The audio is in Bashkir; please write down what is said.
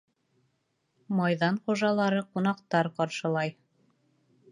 Майҙан хужалары ҡунаҡтар ҡаршылай